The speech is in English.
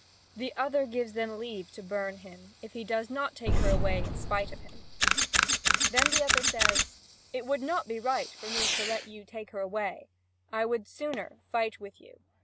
The other gives them leave to burn him, if he does not take her away in spite of him. Then the other says: "It would not be right for me to let you take her away; I would sooner fight with you.